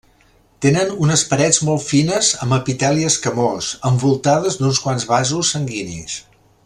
Tenen unes parets molt fines amb epiteli escamós, envoltades d'uns quants vasos sanguinis.